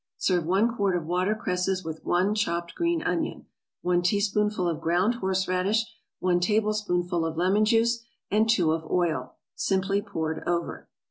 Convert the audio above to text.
= Serve one quart of watercresses with one chopped green onion, one teaspoonful of ground horseradish, one tablespoonful of lemon juice, and two of oil, simply poured over.